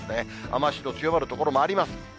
雨足の強まる所もあります。